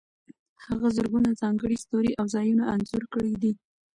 هغه زرګونه ځانګړي ستوري او ځایونه انځور کړي دي.